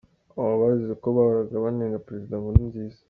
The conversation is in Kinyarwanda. Aba bazize ko bahoraga banenga president Nkurunziza.